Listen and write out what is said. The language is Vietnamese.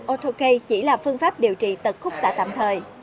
auto k chỉ là phương pháp điều trị tật khúc xà tạm thời